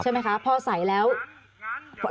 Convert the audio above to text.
สามารถรู้ได้เลยเหรอคะ